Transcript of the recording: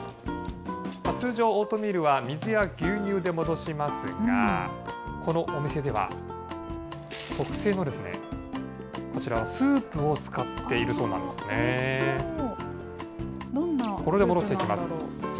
通常、オートミールは水や牛乳で戻しますが、このお店では、特製のこちら、スープを使っているそおいしそう。